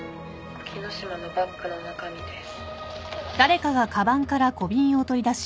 沖野島のバッグの中身です